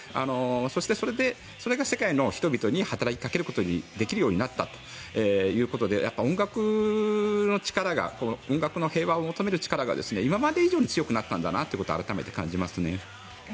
そして、それが世界の人々に働きかけることにできるようになったということでやっぱり音楽の力が音楽の平和を求める力が今まで以上に強くなったんだなということを改めて感じますね。